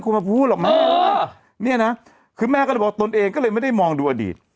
ครึี่แม่ก็บอกตนเองก็เลยไม่ได้มองดูอดีต